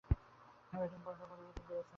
তিনি batting order পরিবর্তন করেছিলেন।